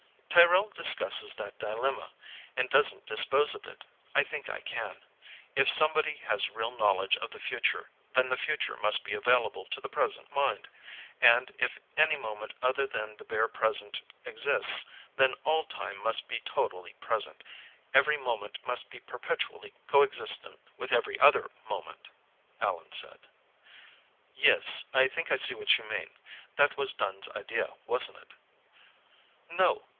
"Tyrrell discusses that dilemma, and doesn't dispose of it. I think I can. If somebody has real knowledge of the future, then the future must be available to the present mind. And if any moment other than the bare present exists, then all time must be totally present; every moment must be perpetually coexistent with every other moment," Allan said. "Yes. I think I see what you mean. That was Dunne's idea, wasn't it?" "No.